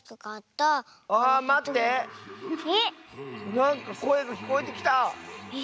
なんかこえがきこえてきた！え？